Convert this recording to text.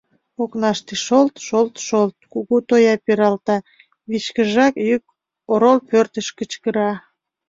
Окнаште шолт-шолт-шолт! кугу тоя пералта, вичкыжрак йӱк «Орол пӧртыш!» кычкыра.